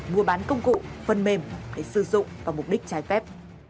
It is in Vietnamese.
mua bán công cụ phân mềm để sử dụng và mục đích trái phép